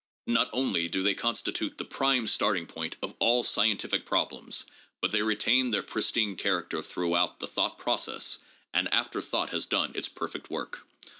Not only do they constitute the prime starting point of all scientific problems, but they retain their pristine character throughout the thought process and after thought has done its perfect work.